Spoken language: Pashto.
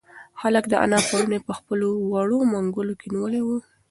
هلک د انا پړونی په خپلو وړو منگولو کې نیولی و.